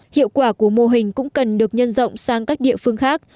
hiệu quả của mô hình cũng cần được nhân rộng sang các địa phương khác